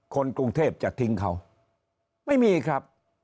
คนกรุงเทพจะทิ้งเขาไม่มีครับ